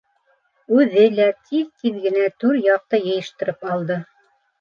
— Үҙе лә тиҙ-тиҙ генә түр яҡты йыйыштырып алды.